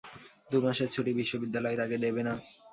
দু মাসের ছুটি বিশ্ববিদ্যালয় তাঁকে দেবে না।